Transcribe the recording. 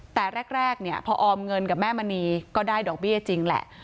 แต่แรกเนี่ยพอออมเงินกับแม่มณีก็ได้ดอกเบี้ยจริงแหละ